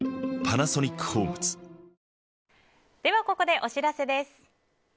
ここでお知らせです。